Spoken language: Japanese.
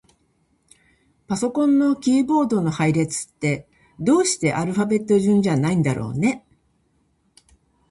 パソコンのキーボードの配列って、どうしてアルファベット順じゃないんだろうね。